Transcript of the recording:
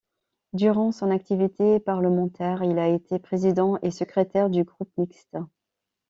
Durant son activité parlementaire, il a été président et secrétaire du groupe mixte.